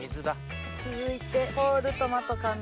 続いてホールトマト缶の。